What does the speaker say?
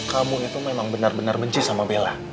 kamu itu memang benar benar mencintaimu